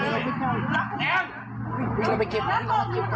มันเลิกยังหรอถ้าไม่เลิกกลัวมันตายเลย